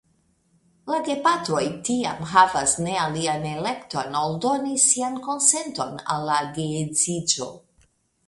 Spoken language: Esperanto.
La gepatroj tiam havas ne alian elekton ol doni sian konsenton al la geedziĝo.